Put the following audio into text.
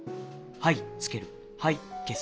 はいつける」。